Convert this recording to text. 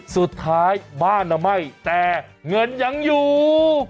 สุดท้ายบ้านไหม้แต่เงินยังอยู่